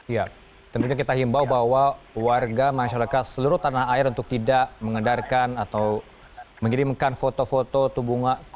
ya tentunya kita himbau bahwa warga masyarakat seluruh tanah air untuk tidak mengedarkan atau mengirimkan foto foto tubuh